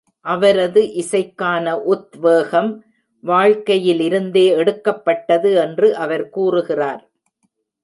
அவரது இசைக்கான உத்வேகம் வாழ்க்கையிலிருந்தே எடுக்கப்பட்டது என்று அவர் கூறுகிறார்.